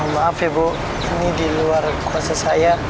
maaf ya bu ini diluar kuasa saya